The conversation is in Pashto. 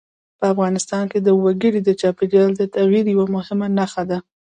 په افغانستان کې وګړي د چاپېریال د تغیر یوه مهمه نښه ده.